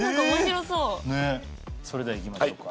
それではいきましょうか。